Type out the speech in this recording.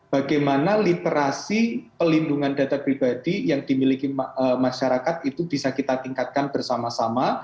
bagaimana literasi pelindungan data pribadi yang dimiliki masyarakat itu bisa kita tingkatkan bersama sama